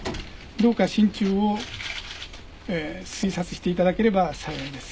どうか心中を推察していただければ幸いです。